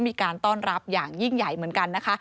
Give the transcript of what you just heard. มีการต้อนรับอย่างยิ่งใหญ่เหมือนกันนะคะ